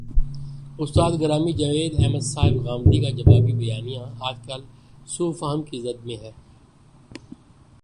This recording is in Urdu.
استاد گرامی جاوید احمد صاحب غامدی کا جوابی بیانیہ، آج کل سوء فہم کی زد میں ہے۔